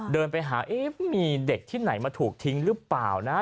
เดินไปหามีเด็กที่ไหนมาถูกทิ้งหรือเปล่านะ